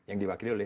yang diwakili oleh